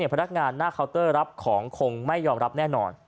พนักงานหน้าเคาน์เตอร์รับของคงไม่ยอมรับแน่นอน